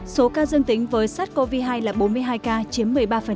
số ca dương tính với sars cov hai là bốn mươi hai ca chiếm một mươi ba